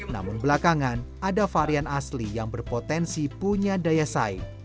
namun belakangan ada varian asli yang berpotensi punya daya saing